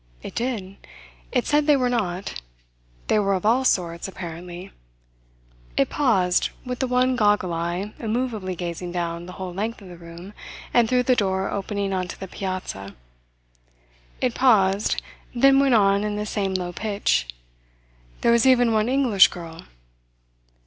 It did. It said they were not. They were of all sorts, apparently. It paused, with the one goggle eye immovably gazing down the whole length of the room and through the door opening on to the "piazza." It paused, then went on in the same low pitch: "There was even one English girl."